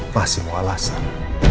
masih mau alasan